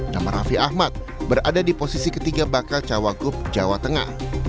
nama raffi ahmad berada di posisi ketiga bakal cawagup jawa tengah